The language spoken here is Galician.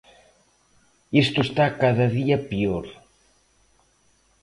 Isto está cada día peor.